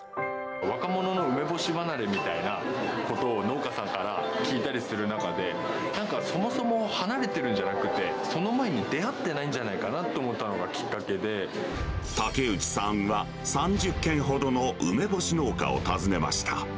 若者の梅干し離れみたいなことを農家さんから聞いたりする中で、なんか、そもそも離れてるんじゃなくて、その前に出会ってないんじゃないかなと思ったのがき竹内さんは、３０軒ほどの梅干し農家を訪ねました。